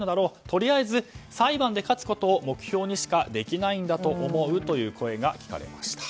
とりあえず裁判で勝つことを目標にしかできないんだと思うという声が聞かれました。